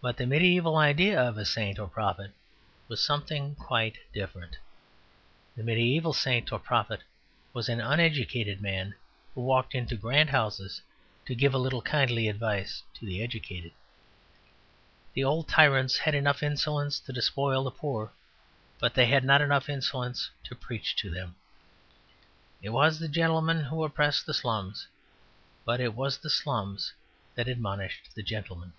But the medieval idea of a saint or prophet was something quite different. The mediaeval saint or prophet was an uneducated man who walked into grand houses to give a little kindly advice to the educated. The old tyrants had enough insolence to despoil the poor, but they had not enough insolence to preach to them. It was the gentleman who oppressed the slums; but it was the slums that admonished the gentleman.